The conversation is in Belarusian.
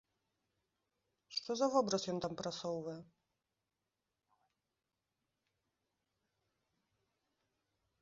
Што за вобраз ён там прасоўвае?